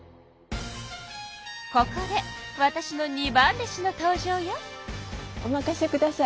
ここでわたしの二番弟子の登場よ。